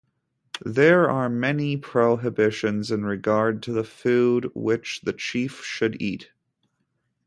There are many prohibitions in regard to the food which the chief should eat.